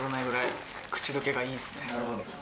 なるほど。